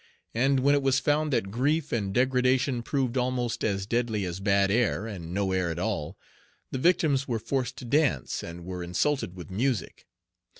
And when it was found that grief and degradation proved almost as deadly as bad air, and no air at all, the victims were forced to dance, and were insulted with music.